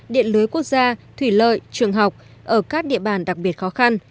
điện lưới quốc gia thủy lợi trường học ở các địa bàn đặc biệt khó khăn